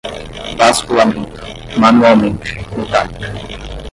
basculamento, manualmente, metálica